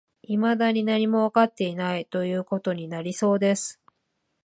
未だに何もわかっていない、という事になりそうです